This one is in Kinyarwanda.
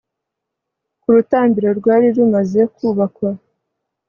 ku rutambiro rwari rumaze kubakwa